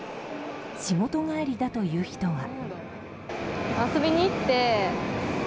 仕事帰りだという人は。